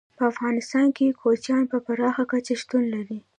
په افغانستان کې کوچیان په پراخه کچه شتون لري.